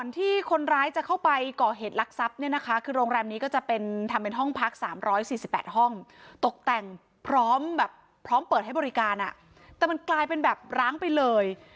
แต่มันกลายเป็นแบบร้างไปเลย